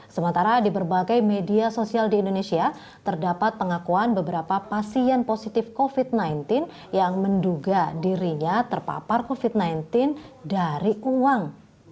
sementara di berbagai media sosial di indonesia terdapat pengakuan beberapa pasien positif covid sembilan belas yang menduga dirinya terpapar covid sembilan belas dari uang